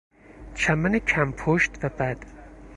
چمن کم پشت و بد